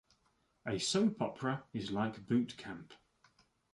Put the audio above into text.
A soap opera is like boot camp.